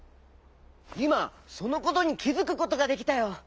いまそのことにきづくことができたよ。